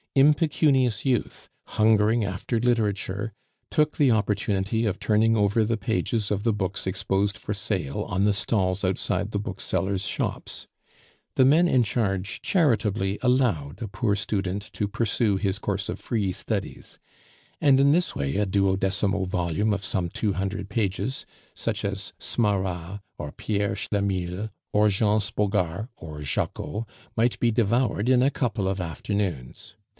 Impecunious youth, hungering after literature, took the opportunity of turning over the pages of the books exposed for sale on the stalls outside the booksellers' shops; the men in charge charitably allowed a poor student to pursue his course of free studies; and in this way a duodecimo volume of some two hundred pages, such as Smarra or Pierre Schlemihl, or Jean Sbogar or Jocko, might be devoured in a couple of afternoons.